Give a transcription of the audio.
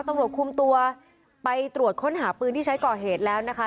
ตำรวจคุมตัวไปตรวจค้นหาปืนที่ใช้ก่อเหตุแล้วนะคะ